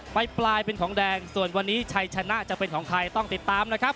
ไปปลายเป็นของแดงส่วนวันนี้ชัยชนะจะเป็นของใครต้องติดตามนะครับ